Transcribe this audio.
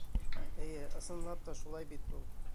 Эйе, ысынлап та шулай бит был.